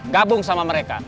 gabung sama mereka